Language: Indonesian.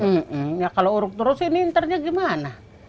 iya kalau uruk terus ini internya gimana